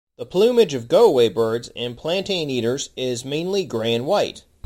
The plumage of go-away-birds and plantain-eaters is mainly grey and white.